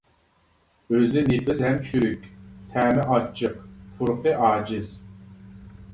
ئۆزى نېپىز ھەم چۈرۈك، تەمى ئاچچىق، پۇرىقى ئاجىز.